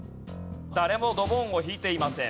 誰もドボンを引いていません。